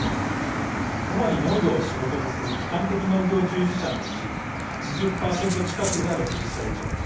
主に農業を仕事とする基幹的農業従事者のうち８０％近くが６０代以上。